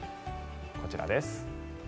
こちらです。